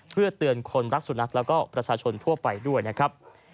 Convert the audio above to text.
เพื่อเตือนคนรักสุนัขแล้วก็ประชาชนทั่วไปด้วยนะครับ